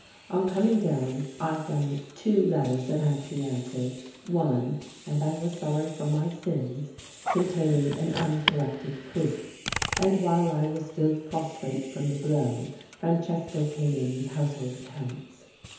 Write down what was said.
On coming down I found two letters that had to be answered, one (and I was sorry for my sins) containing an uncorrected proof, and while I was still prostrate from the blow Francesco came in with house hold accounts.